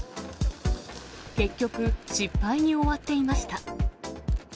結局、失敗に終わっていました。